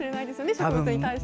植物に対しての。